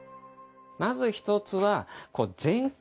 まず１つは前屈。